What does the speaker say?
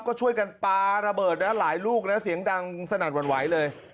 ก็ช่วยกันปลาระเบิดนะหลายลูกนะเสียงดังสนั่นหวั่นไหวเลย